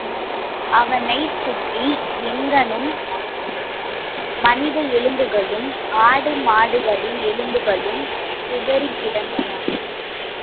அவனைச் சுற்றி எங்கணும் மனித எலும்புகளும், ஆடு மாடுகளின் எலும்புகளும் சிதறிக் கிடந்தன.